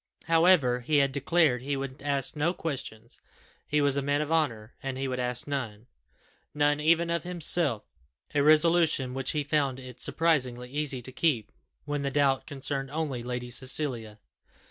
However, he had declared he would ask no questions; he was a man of honour, and he would ask none none even of himself a resolution which he found it surprisingly easy to keep when the doubt concerned only Lady Cecilia.